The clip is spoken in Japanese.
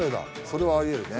それはありえるね。